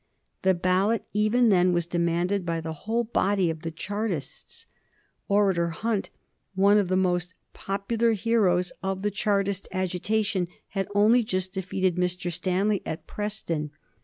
The ballot even then was demanded by the whole body of the Chartists. Orator Hunt, one of the most popular heroes of the Chartist agitation, had only just defeated Mr. Stanley at Preston.